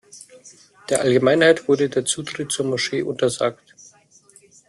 Der Allgemeinheit wurde der Zutritt zur Moschee untersagt.